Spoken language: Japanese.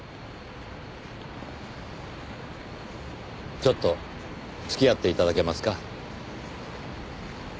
ちょっと付き合って頂けますか？